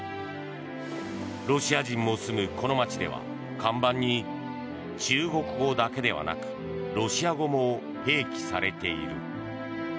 ロシア人も住むこの街では看板に中国語だけではなくロシア語も併記されている。